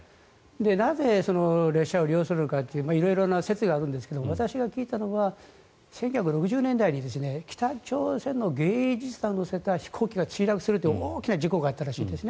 なぜ列車を利用するのかという色々な説があるんですが私が聞いたのは１９６０年代に北朝鮮の芸術団を乗せた飛行機が墜落するという大きな事故があったらしいんです。